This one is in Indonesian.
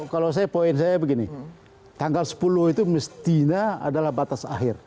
kalau saya poin saya begini tanggal sepuluh itu mestinya adalah batas akhir